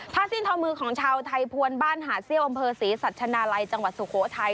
สิ้นทอมือของชาวไทยภวนบ้านหาดเซี่ยวอำเภอศรีสัชนาลัยจังหวัดสุโขทัย